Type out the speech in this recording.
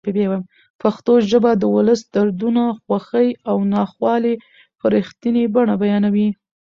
پښتو ژبه د ولس دردونه، خوښۍ او ناخوالې په رښتینې بڼه بیانوي.